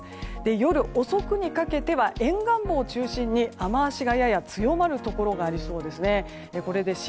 夜遅くにかけては沿岸部を中心に雨脚がやや強まるところがありそうです。